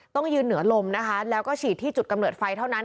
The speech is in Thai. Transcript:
ต้องยืนเหนือลมนะคะแล้วก็ฉีดที่จุดกำเนิดไฟเท่านั้น